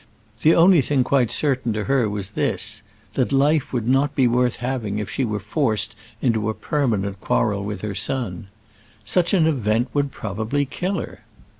The only thing quite certain to her was this, that life would be not worth having if she were forced into a permanent quarrel with her son. Such an event would probably kill her.